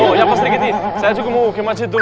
oh ya pak serikiti saya juga mau pergi ke masjid dulu ya